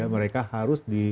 mereka harus di